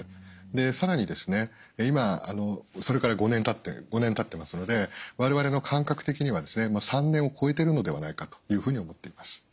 更に今それから５年たってますので我々の感覚的には３年を超えてるのではないかというふうに思っています。